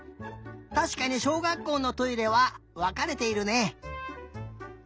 たしかにしょうがっこうのトイレはわかれているね。